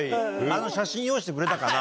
あの写真用意してくれたかな？